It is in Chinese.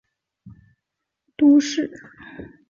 京都府京都市出身。